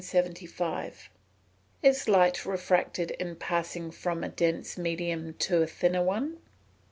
_Is light refracted in passing from a dense medium to a thinner one?